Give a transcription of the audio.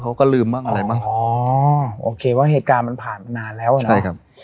เขาก็ลืมบ้างอะไรบ้างอ๋อโอเคว่าเหตุการณ์มันผ่านมานานแล้วนะครับ